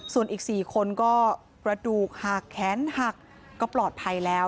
ส่วนอีก๔คนก็กระดูกหักแขนหักก็ปลอดภัยแล้ว